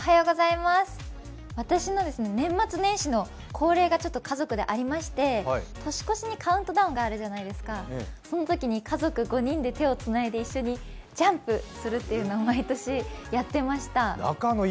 私の年末年始の恒例が家族でありまして年越しにカウントダウンがあるじゃないですか、そのときに家族５人で手をつないで一緒にジャンプするというのを毎年やっていました。